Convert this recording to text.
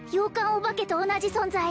お化けと同じ存在